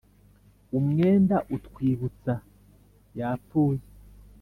umwenda utwibutsa.… yapfuye;